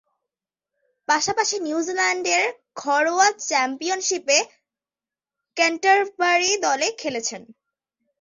পাশাপাশি নিউজিল্যান্ডের ঘরোয়া চ্যাম্পিয়নশীপে ক্যান্টারবারি দলে খেলেছেন।